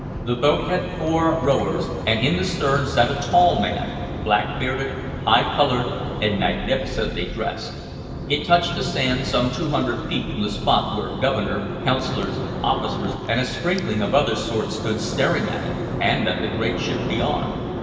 The boat had four rowers, and in the stern sat a tall man, black bearded, high colored, and magnificently dressed. It touched the sand some two hundred feet from the spot where Governor, Councilors, officers, and a sprinkling of other sorts stood staring at it, and at the great ship beyond.